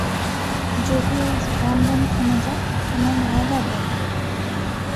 যদি এর স্পন্দন থেমে যায়, আমরা মারা যাব!